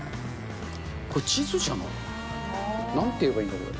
これ地図じゃない？なんて言えばいいんだろう。